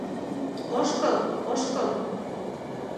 — Ошкыл, ошкыл...